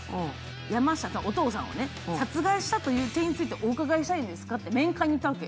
山下さん、お父さんを殺害したという点についてお伺いしたいんですがと面会に行くわけ。